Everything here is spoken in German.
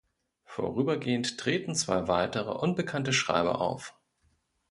Vorübergehend treten zwei weitere, unbekannte Schreiber auf.